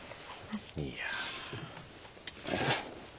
いや。